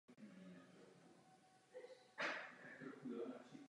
Byla však účinná z hlediska růstu a zvyšování zaměstnanosti.